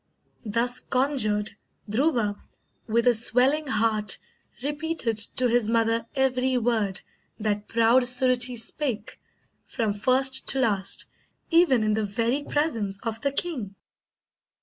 Thus conjured, Dhruva, with a swelling heart Repeated to his mother every word That proud Suruchee spake, from first to last, Even in the very presence of the king.